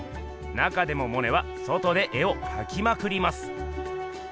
なかでもモネは外で絵をかきまくります。